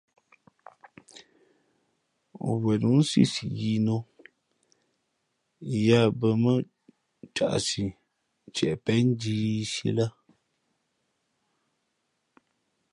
Wen nǒ nsī si yīī nō yāā bᾱ mά caʼsi ntieʼ pěn njīīsī lά.